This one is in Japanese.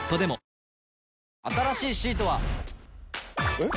えっ？